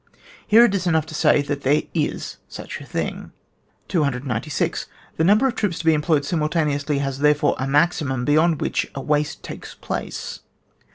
Here it is enough to say that there is such a thing, 296. The number of troops to be em ployed simultaneously has, therefore, a maximum, beyond which a waste takes place.